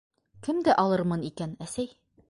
-Кемде алырмын икән, әсәй?